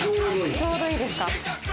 ちょうどいいですか？